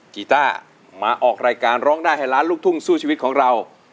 กีต้ามาออกรายการร้องได้ให้ล้านลูกทุ่งสู้ชีวิตของเรา